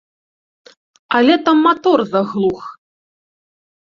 Але там матор заглух.